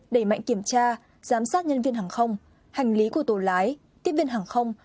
đẩy mạnh kiểm tra giám sát nhân viên hàng không hành lý của tổ lái tiếp viên hàng không